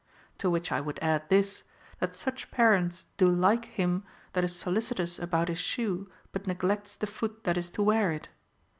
— to which I would add this, that such parents do like hira that is solicitous about his shoe, but neglects the foot that is to wear it.